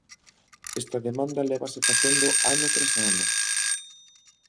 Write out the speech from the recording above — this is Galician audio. Esta demanda lévase facendo ano tras ano.